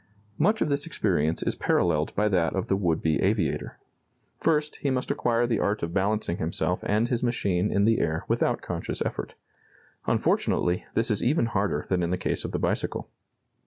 Much of this experience is paralleled by that of the would be aviator. First, he must acquire the art of balancing himself and his machine in the air without conscious effort. Unfortunately, this is even harder than in the case of the bicycle.